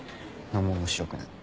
何も面白くない。